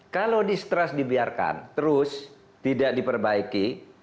kalau distrust dibiarkan terus tidak diperbaiki